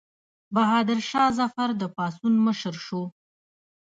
بهادر شاه ظفر د پاڅون مشر شو.